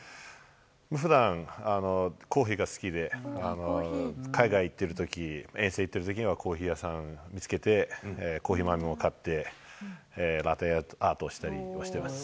ふだん、コーヒーが好きで、海外行ってるとき、遠征行ってるときにはコーヒー屋さん見つけて、コーヒー豆を買って、ラテアートしたりとかしてます。